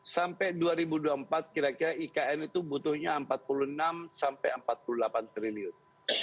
sampai dua ribu dua puluh empat kira kira ikn itu butuhnya empat puluh enam sampai empat puluh delapan triliun